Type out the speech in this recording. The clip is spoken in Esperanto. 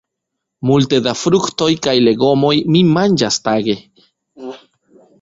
Multe da fruktoj kaj legomoj mi manĝas tage.